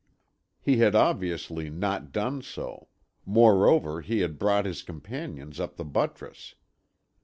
He had obviously not done so; moreover he had brought his companions up the buttress.